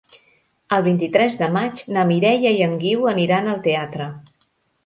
El vint-i-tres de maig na Mireia i en Guiu aniran al teatre.